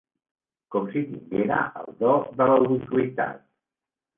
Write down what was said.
Com si tinguera el do de la ubiqüitat.